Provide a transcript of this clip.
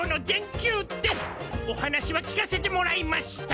お話は聞かせてもらいました。